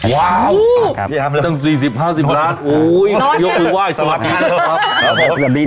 ว้าวครับสี่สิบห้าสิบล้านโอ้ยยกกูไหว้สวัสดีครับครับ